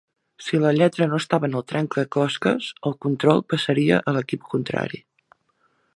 Si la lletra no estava en el trencaclosques, el control passaria a l'equip contrari.